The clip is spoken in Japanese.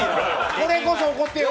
これこそ怒ってよ。